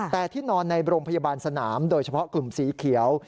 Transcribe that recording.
แต่ที่นอนในโรงพยาบาลสนามโดยเฉพาะกลุ่มสีเขียว